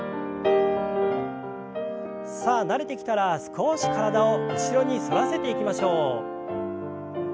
さあ慣れてきたら少し体を後ろに反らせていきましょう。